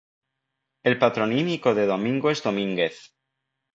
El patronímico de Domingo es Domínguez.